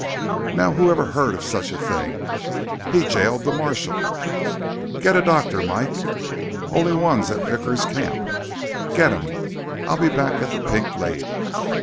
"Now who ever heard of such a thing? He jailed the marshal." "Get a doctor, Mike." "Only one's at Vickers' camp." "Get him. I'll be back at the Pink Lady."